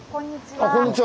あこんにちは。